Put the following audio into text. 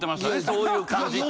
そういう感じって。